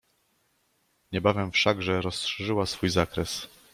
"Niebawem wszakże rozszerzyła swój zakres."